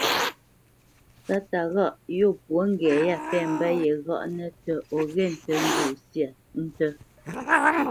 Sáta ghâʼ yó pwǒ ŋgɛ̌ ya pɛ̂ mbə́ ye ghaʼnə tə o ghe ntə nzô sya ntə.